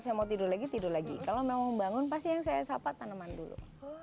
saya mau tidur lagi tidur lagi kalau mau bangun pasti yang saya sahabat tanaman dulu